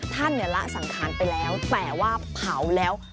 ท่านเนี่ยละสังขารไปแล้วแต่ว่าเผาแล้ว